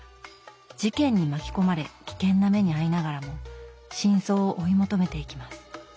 事件に巻き込まれ危険な目に遭いながらも真相を追い求めていきます。